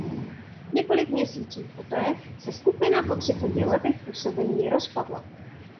Několik měsíců poté se skupina po třiceti letech působení rozpadla.